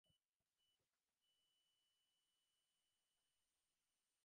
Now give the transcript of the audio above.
আমাদের আলোচ্য মহাপুরুষ সম্বন্ধেও এ কথা খাটে।